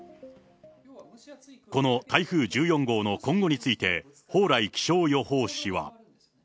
この台風１４号の今後について、蓬莱気象予報士は。